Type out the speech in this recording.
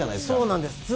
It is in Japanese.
そうなんです。